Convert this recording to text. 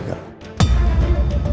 jadi kita harus berhenti